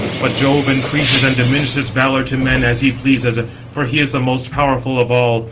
But Jove increases and diminishes valour to men, as he pleases; for he is the most powerful of all.